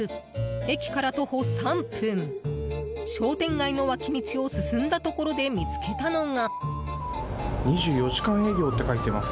駅から徒歩３分商店街の脇道を進んだところで見つけたのが。